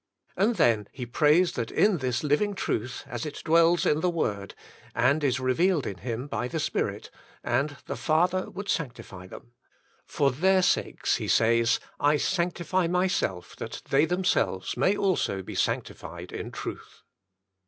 And then He prays that in this living truth, as it dwells in the Word, and is revealed in Him by the Spirit, and the Father would sanctify them. " For their sakes," He says, "I sanctify Myself that they themselves may also be sanctified in truth."